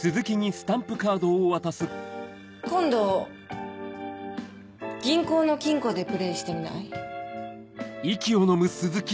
今度銀行の金庫でプレーしてみない？